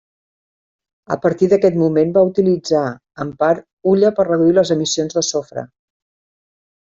A partir d'aquest moment va utilitzar en part hulla per reduir les emissions de sofre.